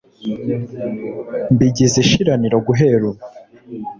Mbigize ishiraniro guhere ubu